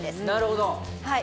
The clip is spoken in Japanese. なるほど。